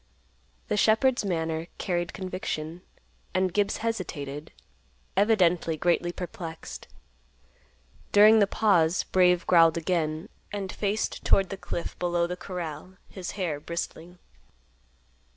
The shepherd's manner carried conviction, and Gibbs hesitated, evidently greatly perplexed. During the pause, Brave growled again, and faced toward the cliff below the corral, his hair bristling.